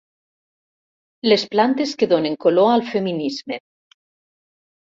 Les plantes que donen color al feminisme.